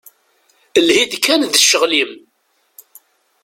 Lhi-d kan d ccɣel-im.